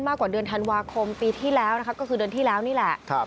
มากกว่าเดือนธันวาคมปีที่แล้วนะคะก็คือเดือนที่แล้วนี่แหละ